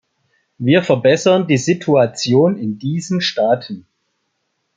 Wir verbessern die Situation in diesen Staaten.